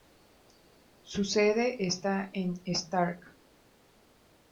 Su sede está en Starke.